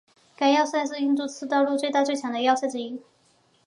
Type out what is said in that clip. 该要塞是印度次大陆最大最强的要塞之一。